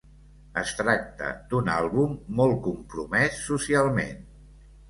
Es tracta d'un àlbum molt compromès socialment.